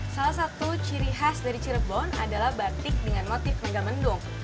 salah satu ciri khas dari cirebon adalah batik dengan motif megamendung